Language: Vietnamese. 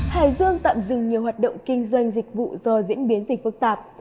hải dương tạm dừng nhiều hoạt động kinh doanh dịch vụ do diễn biến dịch phức tạp